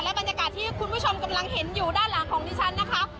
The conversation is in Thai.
บรรยากาศที่คุณผู้ชมกำลังเห็นอยู่ด้านหลังของดิฉันนะคะ